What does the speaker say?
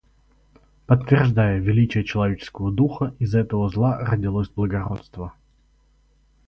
Подтверждая величие человеческого духа, из этого зла родилось благородство.